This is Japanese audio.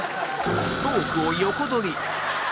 トークを横取り